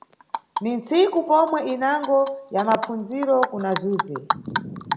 Ni ntsiku pomwe inango ya mapfundziro kuna Zuze.